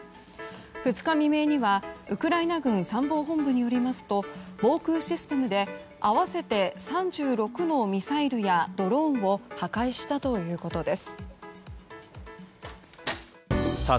２日未明にはウクライナ軍参謀本部によりますと防空システムで合わせて３６のミサイルやドローンを破壊したということです。